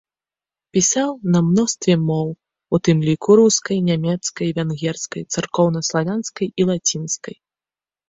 Пісаў на мностве моў, у тым ліку рускай, нямецкай, венгерскай, царкоўнаславянскай і лацінскай.